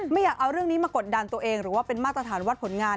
ไม่อยากเอาเรื่องนี้มากดดันตัวเองหรือว่าเป็นมาตรฐานวัดผลงาน